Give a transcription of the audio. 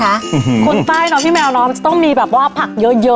คนใต้น้องพี่แมวน้องจะต้องมีแบบว่าผักเยอะ